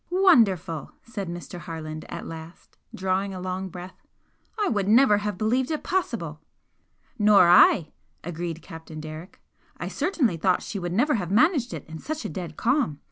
"Wonderful!" said Mr. Harland, at last, drawing a long breath, "I would never have believed it possible!" "Nor I!" agreed Captain Derrick "I certainly thought she would never have managed it in such a dead calm.